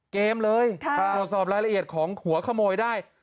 เกมเลยตรวจสอบรายละเอียดของหัวขโมยได้